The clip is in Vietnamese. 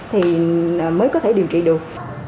thì mới có thể điều trị được